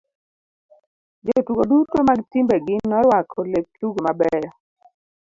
Jotugo duto mag timbe gi noruako lep tugo mabeyo.